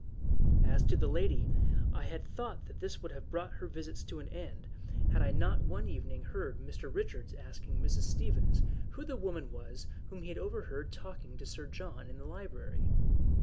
As to the lady, I had thought that this would have brought her visits to an end, had I not one evening heard Mr. Richards asking Mrs. Stevens who the woman was whom he had overheard talking to Sir John in the library.